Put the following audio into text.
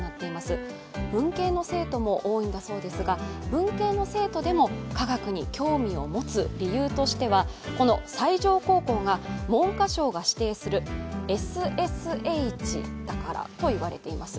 文系の生徒でも科学に興味を持つ理由としてはこの西条高校が文科省が指定するＳＳＨだからといわれています。